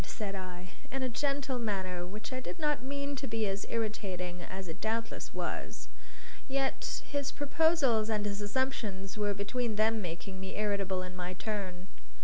said I, in a gentle manner which I did not mean to be as irritating as it doubtless was. Yet his proposals and his assumptions were between them making me irritable in my turn.